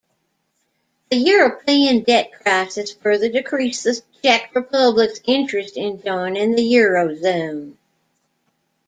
The European debt crisis further decreased the Czech Republic's interest in joining the eurozone.